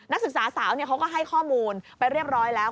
นักศึกษาสาวเขาก็ให้ข้อมูลไปเรียบร้อยแล้ว